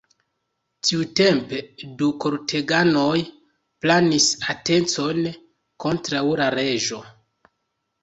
Tiutempe du korteganoj planis atencon kontraŭ la reĝo.